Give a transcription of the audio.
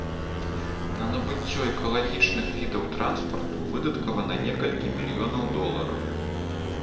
На набыццё экалагічных відаў транспарту выдаткавана некалькі мільёнаў долараў.